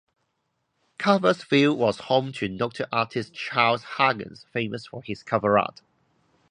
Carversville was home to noted artist Charles Hargens famous for his cover art.